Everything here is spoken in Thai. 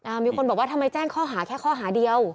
มีคนบอกว่าทำไมแจ้งข้อหาแค่ข้อหาเดียว